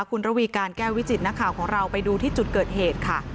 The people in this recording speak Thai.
คุณระวีการแก้ววิจิตรนักข่าวของเราไปดูที่จุดเกิดเหตุค่ะ